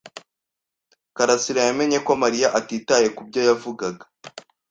karasira yamenye ko Mariya atitaye kubyo yavugaga.